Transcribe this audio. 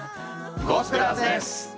ゴスペラーズです！